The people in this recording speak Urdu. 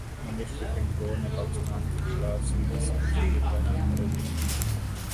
انگلش کرکٹ بورڈ نے پاکستان کیخلاف سیریز کے شیڈول کا اعلان کر دیا